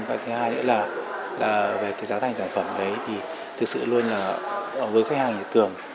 và thứ hai nữa là về giá thành sản phẩm đấy thì thực sự luôn là với khách hàng thịt cường